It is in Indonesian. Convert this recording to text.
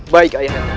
baik ayah anda